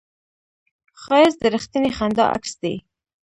ښایست د رښتینې خندا عکس دی